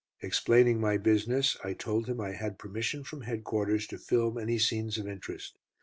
Explaining my business, I told him I had permission from headquarters to film any scenes of interest.